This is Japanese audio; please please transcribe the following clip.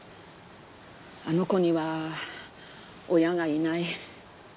あの子には親がいない。